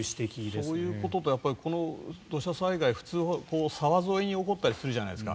そういうことと土砂災害、普通は沢沿いに起こったりするじゃないですか。